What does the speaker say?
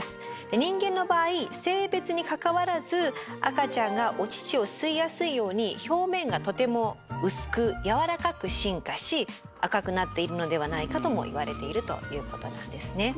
人間の場合性別にかかわらず赤ちゃんがお乳を吸いやすいように表面がとても薄く柔らかく進化し赤くなっているのではないかとも言われているということなんですね。